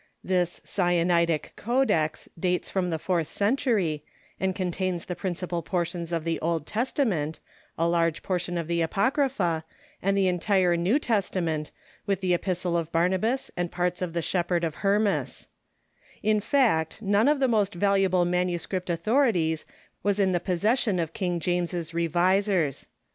This Sina itic Codex dates from the fourth century, and contains the principal portions of the Old Testament, a large part of the Apocrypha, and the entire New Testament, with the Epistle of Barnabas and parts of the Shepherd of Hermas, In fact, none of the most valuable manuscript authorities was in the possession of King James's revisers.